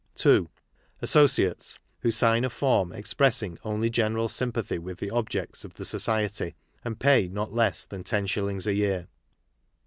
,,,.' II. Associates, who sign a form expressing only general sympathy with the objects of the Society and pay not less than 10s. a year.